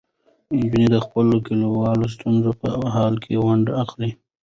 نجونې د خپلو کلیوالو ستونزو په حل کې ونډه اخلي.